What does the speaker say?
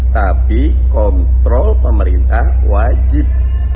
tapi kontrol pemerintah wajib